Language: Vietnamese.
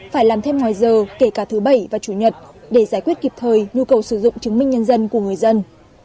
phải làm thêm ngoài giờ kể cả thứ bảy và chủ nhật để giải quyết kịp thời nhu cầu sử dụng chứng minh nhân dân của người dân